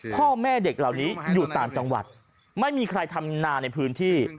พ่อแม่เด็กเหล่านี้อยู่ต่างจังหวัดไม่มีใครทำนาในพื้นที่